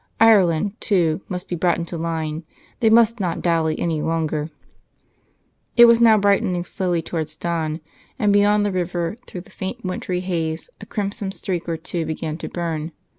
Ireland, too, must be brought into line; they must not dally any longer. It was now brightening slowly towards dawn, and beyond the river through the faint wintry haze a crimson streak or two began to burn.